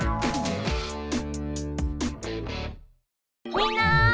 みんな！